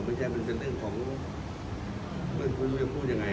ไม่ใช่มันเป็นเรื่องของไม่รู้จะพูดยังไง